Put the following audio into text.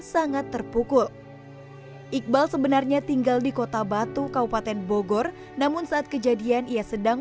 sangat terpukul iqbal sebenarnya tinggal di kota batu kabupaten bogor namun saat kejadian ia sedang